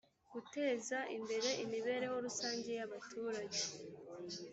guteza imbere imibereho rusange y’ abaturage